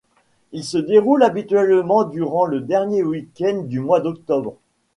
Il se déroule habituellement durant le dernier week-end du mois d'octobre.